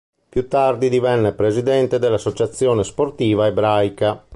Più tardi divenne presidente dell'Associazione Sportiva Ebraica.